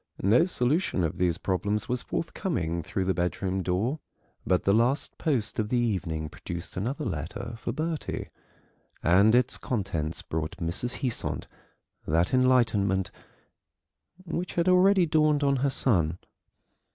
No solution of these problems was forthcoming through the bedroom door, but the last post of the evening produced another letter for Bertie, and its contents brought Mrs. Heasant that enlightenment which had already dawned on her son.